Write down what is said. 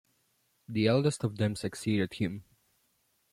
The eldest of them succeeded him.